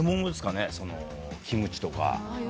キムチとか。